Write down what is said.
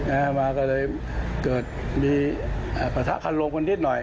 อะไรเขาได้เกิดมีปัตตะคัดลงซะนิดหน่อย